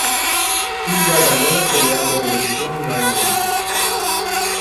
Silva ganó la pelea por decisión unánime.